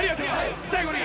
最後に。